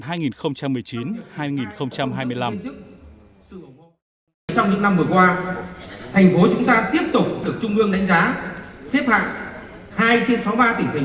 trong những năm vừa qua thành phố chúng ta tiếp tục được trung ương đánh giá xếp hạng hai trên sáu mươi ba tỉnh thành